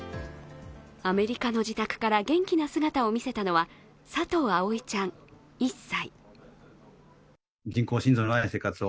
アメリカの自宅から元気な姿を見せたのは佐藤葵ちゃん１歳。